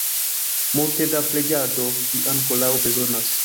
Multe da preĝado vi ankoraŭ bezonas!